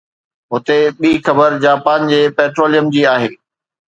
هتي ٻي خبر جاپان جي پيٽروليم جي آهي